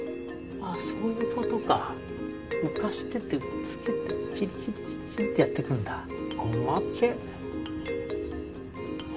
あそういうことか浮かしててチリチリチリチリってやっていくんだ細けえ